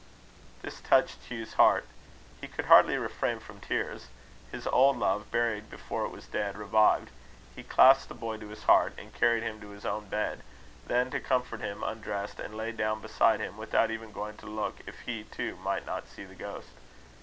This touched Hugh's heart. He could hardly refrain from tears. His old love, buried before it was dead, revived. He clasped the boy to his heart, and carried him to his own bed; then, to comfort him, undressed and lay down beside him, without even going to look if he too might not see the ghost.